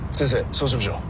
そうしましょう。